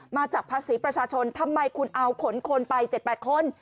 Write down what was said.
มาจากภาษีประชาชนทำไมคุณเอาขนคนไป๗๘คน